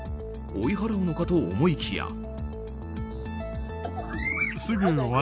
追い払うのかと思いきや。